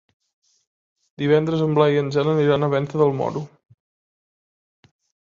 Divendres en Blai i en Jan aniran a Venta del Moro.